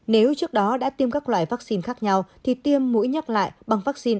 nếu trước đó đã tiêm các loại vaccine khác nhau thì tiêm mũi nhắc lại bằng vaccine